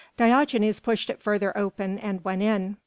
Diogenes pushed it further open and went in.